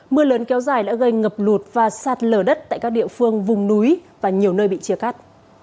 mưa lớn kéo dài đã gây ngập lụt và sạt lở đất tại các địa phương vùng núi và nhiều nơi bị chia cắt